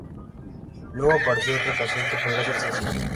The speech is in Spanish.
Luego apareció otra canción que podría ser sencillo.